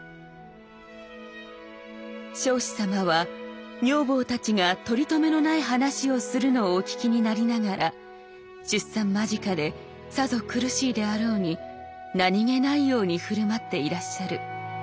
「彰子様は女房たちが取りとめのない話をするのをお聞きになりながら出産間近でさぞ苦しいであろうに何気ないように振る舞っていらっしゃる。